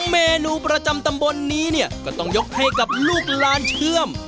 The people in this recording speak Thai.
เมนูประจำตำบลนี้เนี่ยก็ต้องยกให้กับลูกลานเชื่อม